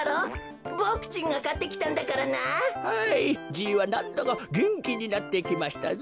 じいはなんだかげんきになってきましたぞ。